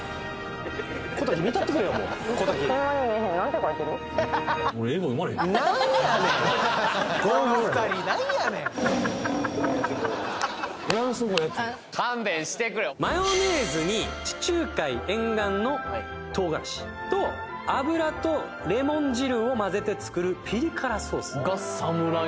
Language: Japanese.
小瀧見たってくれよもう小瀧なんやねんフランス語やっちゅうねんマヨネーズに地中海沿岸の唐辛子と油とレモン汁を混ぜて作るピリ辛ソースがサムライ